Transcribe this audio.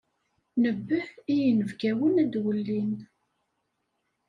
Nebbeh i inebgawen ad wellin.